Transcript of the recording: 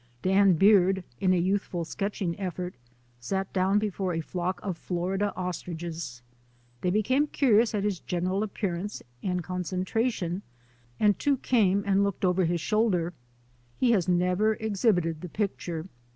Dan Beard, in a youthful sketching effort, sat down before a flock of Florida ostriches. They became curious at his general appearance and con centration and two came and looked over his 2i 8 THE ADVENTURES OF A NATURE GUIDE shoulder. He has never exhibited the picture.